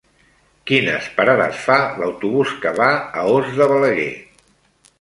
Quines parades fa l'autobús que va a Os de Balaguer?